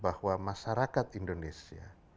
bahwa masyarakat indonesia